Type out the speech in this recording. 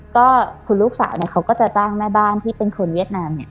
ก็คุณลูกสาวเนี่ยเขาก็จะจ้างแม่บ้านที่เป็นคนเวียดนามเนี่ย